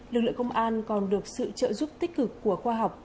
lực lượng công an còn được sự trợ giúp tích cực của khoa học